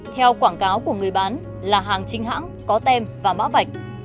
theo quảng cáo của người bán là hàng chính hãng có tem và mã vạch